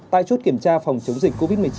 tại chốt kiểm tra phòng chống dịch covid một mươi chín